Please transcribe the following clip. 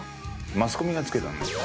マスコミが付けたんだよ。